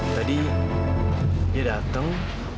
tadi dia datang